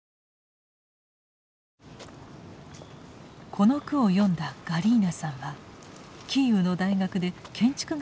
この句を詠んだガリーナさんはキーウの大学で建築学を教えています。